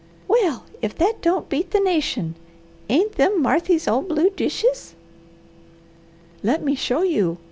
Well if that don't 'beat the nation! Ain't them Marthy's old blue dishes?" "Let me show you!"